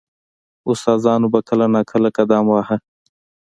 • استادانو به کله نا کله قدم واهه.